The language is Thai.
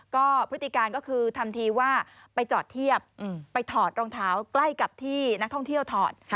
ก็พฤติการก็คือทำทีว่าไปจอดเทียบไปถอดรองเท้าใกล้กับที่นักท่องเที่ยวถอด